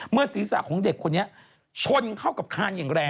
ศีรษะของเด็กคนนี้ชนเข้ากับคานอย่างแรง